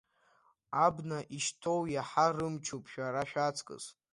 Абна ишьҭоу иаҳа рымчуп шәара шәаҵкыс.